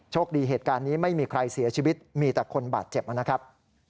คดีเหตุการณ์นี้ไม่มีใครเสียชีวิตมีแต่คนบาดเจ็บนะครับ